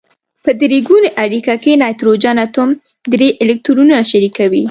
په درې ګونې اړیکه کې نایتروجن اتوم درې الکترونونه شریکوي.